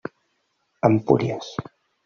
Empúries.